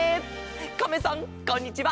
カメさんこんにちは。